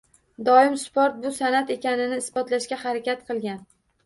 Doim sport bu san’at ekanini isbotlashga harakat qilgan.